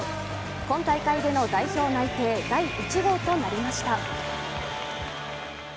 今大会での代表内定第１号となりました。